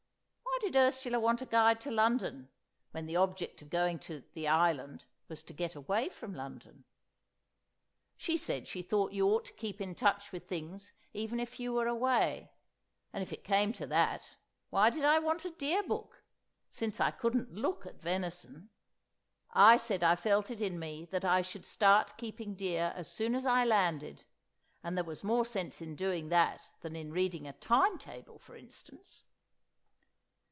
Why did Ursula want a guide to London, when the object of going to The Island was to get away from London? She said she thought you ought to keep in touch with things even if you were away; and if it came to that, why did I want a Deer book, since I couldn't look at venison? I said I felt it in me that I should start keeping deer as soon as I landed, and there was more sense in doing that than in reading a Time Table, for instance!